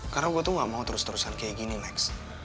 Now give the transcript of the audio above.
karena gue tuh nggak mau terus terusan kayak gini lex